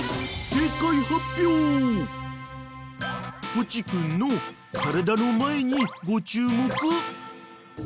［ポチ君の体の前にご注目］